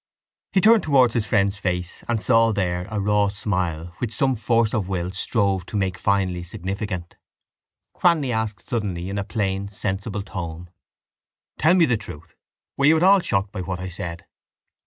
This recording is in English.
He turned towards his friend's face and saw there a raw smile which some force of will strove to make finely significant. Cranly asked suddenly in a plain sensible tone: —Tell me the truth. Were you at all shocked by what I said?